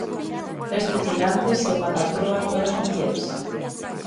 Tres tripulantes e unha patroa, todas mulleres.